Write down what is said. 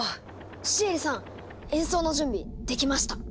シエリさん演奏の準備できました。